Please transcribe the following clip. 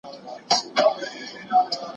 د حج مراسم بې اختره نه وي.